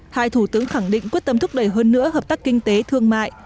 hai thủ tướng khẳng định quyết tâm thúc đẩy hơn nữa hợp tác kinh tế thương mại